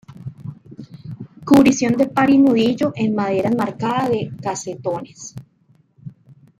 Cubrición de par y nudillo en madera enmarcada de casetones.